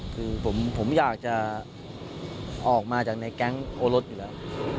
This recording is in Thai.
คือผมอยากจะออกมาจากในแก๊งโอรสอยู่แล้ว